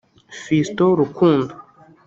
Fiston Rukundo